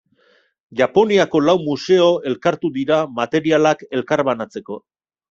Japoniako lau museo elkartu dira materialak elkarbanatzeko.